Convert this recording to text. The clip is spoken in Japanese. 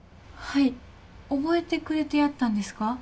はい覚えてくれてやったんですか？